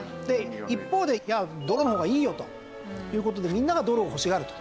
一方で「いやドルの方がいいよ」という事でみんながドルを欲しがると。